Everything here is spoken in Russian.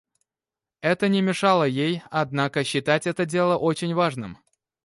Это не мешало ей однако считать это дело очень важным.